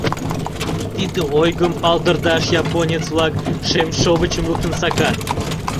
Тиде ойгым палдырташ японец-влак шем шовычым луктын сакат.